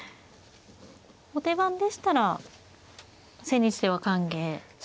後手番でしたら千日手は歓迎ですよね。